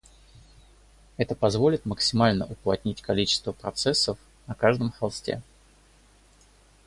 Это позволит максимально уплотнить количество процессов на каждом хосте